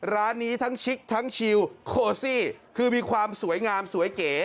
ร้านนี้ทั้งชิคทั้งชิลโคซี่คือมีความสวยงามสวยเก๋